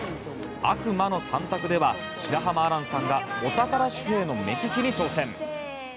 悪魔の３択では白濱亜嵐さんがお宝紙幣の目利きに挑戦。